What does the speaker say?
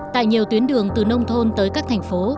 tại nhiều tuyến đường từ nông thôn tới các thành phố